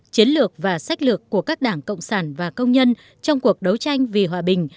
chiến lược và sách lược của các đảng cộng sản và công nhân trong cuộc đấu tranh vì hòa bình